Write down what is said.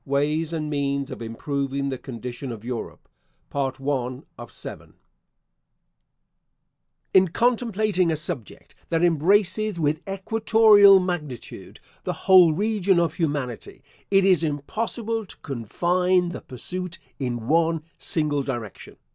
WAYS AND MEANS OF IMPROVING THE CONDITION OF EUROPE INTERSPERSED WITH MISCELLANEOUS OBSERVATIONS In contemplating a subject that embraces with equatorial magnitude the whole region of humanity it is impossible to confine the pursuit in one single direction.